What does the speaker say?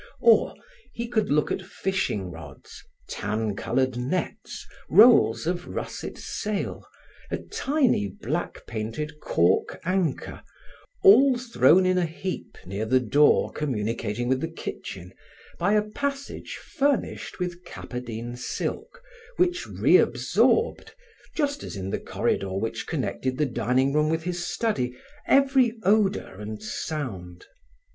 Or, he could look at fishing rods, tan colored nets, rolls of russet sail, a tiny, black painted cork anchor all thrown in a heap near the door communicating with the kitchen by a passage furnished with cappadine silk which reabsorbed, just as in the corridor which connected the dining room with his study, every odor and sound.